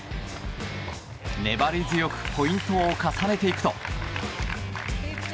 粘り強くポイントを重ねていくと。